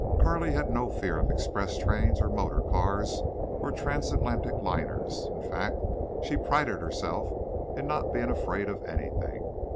Carley had no fear of express trains, or motor cars, or transatlantic liners; in fact, she prided herself in not being afraid of anything.